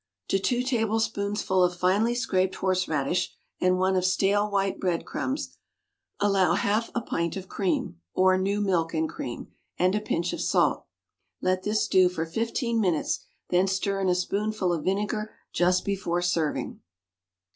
= To two tablespoonsful of finely scraped horseradish and one of stale white breadcrumbs allow half a pint of cream or new milk and cream and a pinch of salt. Let this stew for fifteen minutes, then stir in a spoonful of vinegar just before serving.